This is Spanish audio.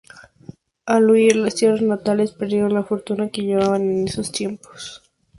Al huir de las Tierras Natales perdieron la fortuna que llevaban en esos tiempos.